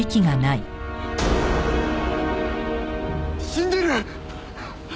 死んでる！